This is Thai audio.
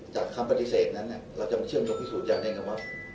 คำปฏิเสธนั้นเราจะมาเชื่อมโยงพิสูจนอย่างได้ไงว่า